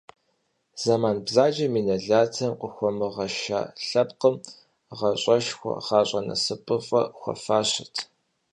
Зэман бзаджэм и нэлатым къыхуэмыгъэша лъэпкъым гъащӀэшхуэ, гъащӀэ насыпыфӀэ хуэфащэт.